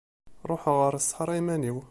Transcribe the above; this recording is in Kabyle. Ruḥeɣ ɣer ṣṣeḥra iman-iw.